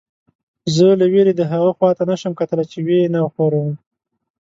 زه له وېرې دهغه خوا ته نه شم کتلی چې ویې نه ښوروم.